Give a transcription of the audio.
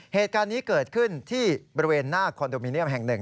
เหตุการณ์นี้เกิดขึ้นที่บริเวณหน้าคอนโดมิเนียมแห่งหนึ่ง